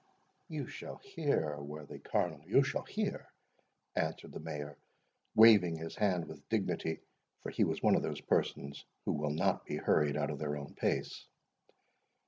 "You shall hear, worthy Colonel, you shall hear," answered the Mayor, waving his hand with dignity; for he was one of those persons who will not be hurried out of their own pace.